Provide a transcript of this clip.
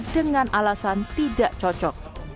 dengan alasan tidak cocok